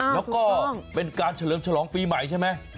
แล้วก็เป็นการเฉลิมฉลองปีใหม่ใช่ไหม